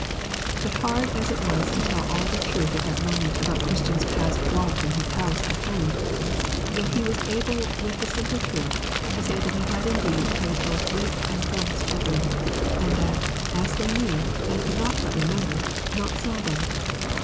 But hard as it was to tell all the truth at that moment about Christian's past walk in his house at home, yet he was able with the simple truth to say that he had indeed prayed both with and for his children, and that, as they knew and could not but remember, not seldom.